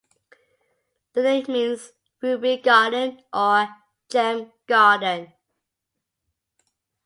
The name means "Ruby Garden" or "Gem Garden".